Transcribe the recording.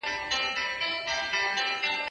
زه کولای سم کښېناستل وکړم،